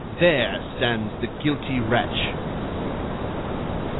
There stands the guilty wretch!"